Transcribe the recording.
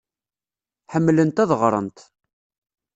Ḥemmlent ad ɣrent.